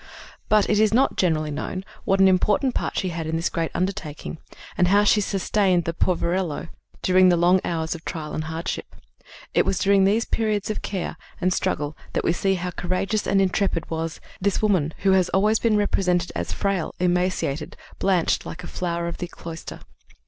But it is not generally known what an important part she had in this great undertaking, and how she sustained the Poverello during long hours of trial and hardship. It was during these periods of care and struggle that we see how courageous and intrepid was "this woman who has always been represented as frail, emaciated, blanched like a flower of the cloister."